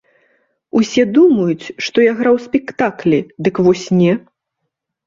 Усе думаюць, што я граў спектаклі, дык вось не!